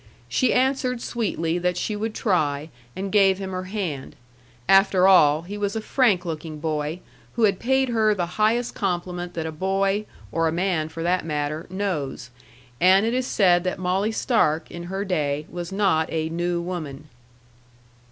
She answered sweetly that she would try, and gave him her hand. After all, he was a frank looking boy, who had paid her the highest compliment that a boy (or a man for that matter) knows; and it is said that Molly Stark, in her day, was not a New Woman.